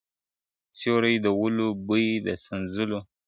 سیوري د ولو بوی د سنځلو `